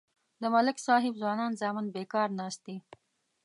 د ملک صاحب ځوانان زامن بیکار ناست دي.